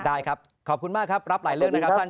ได้ครับขอบคุณมากครับรับหลายเรื่องนะครับท่าน